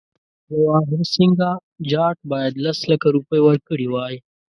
جواهرسینګه جاټ باید لس لکه روپۍ ورکړي وای.